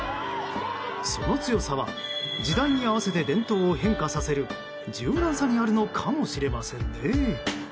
その強さは、時代に合わせて伝統を変化させる柔軟さにあるのかもしれませんね。